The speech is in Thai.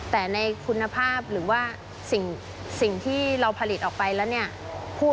แต่ในคุณภาพหรือว่าสิ่งที่เราผลิตออกไปแล้วเนี่ย